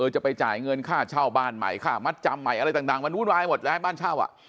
จะไปจ่ายเงินค่าเช่าบ้านใหม่ค่ามัดจำใหม่อะไรต่างมันวุ่นวายหมดแล้วบ้านเช่า